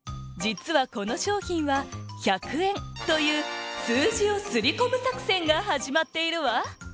じつはこのしょうひんは１００円という数字をすりこむ作戦がはじまっているわ。